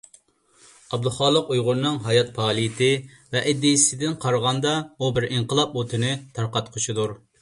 ئابدۇخالىق ئۇيغۇرنىڭ ھايات پائالىيىتى ۋە ئىدىيەسىدىن قارىغاندا، ئۇ بىر ئىنقىلاب ئوتىنى تارقاتقۇچىدۇر.